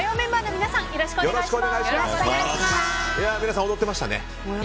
皆さん踊ってましたね。